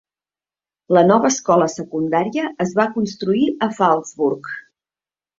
La nova escola secundària es va construir a Fallsburg.